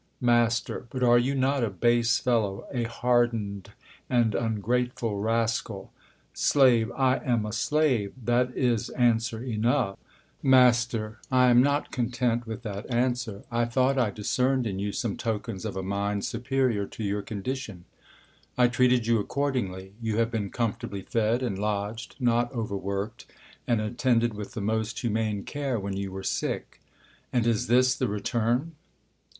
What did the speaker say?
Mast. But are you not a base fellow, a hardened and ungrateful rascal ? Slave. I am a slave. That is answer* enough. Mast. I am not content with that answer. 1 thought I discerned in you some tokens of a mind su periour to your condition. I treated you accordingly. You have been comfortably fed and lodged, not over worked, and attended with the most humane care when you were sick. And is this the return